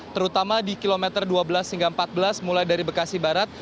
terutama di kilometer dua belas hingga empat belas mulai dari bekasi barat